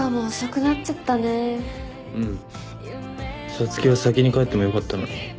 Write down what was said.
皐月は先に帰ってもよかったのに。